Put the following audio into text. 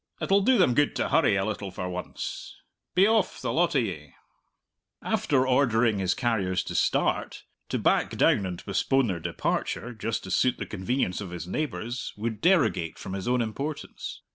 "It'll do them good to hurry a little for once. Be off, the lot of ye!" After ordering his carriers to start, to back down and postpone their departure, just to suit the convenience of his neighbours, would derogate from his own importance.